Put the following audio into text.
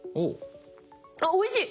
あっおいしい。